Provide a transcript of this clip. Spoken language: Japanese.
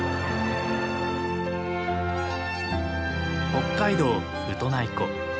北海道ウトナイ湖。